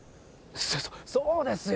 そそっそうですよ。